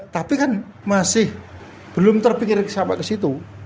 tapi kan masih belum terpikir sama kesitu